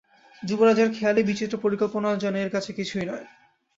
যুবরাজের খেয়ালি বিচিত্র পরিকল্পনাও যেন এর কাছে কিছুই নয়।